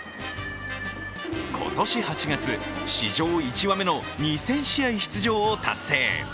今年８月、史上１羽目の２０００試合出場を達成。